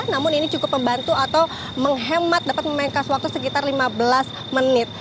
namun ini cukup membantu atau menghemat dapat memangkas waktu sekitar lima belas menit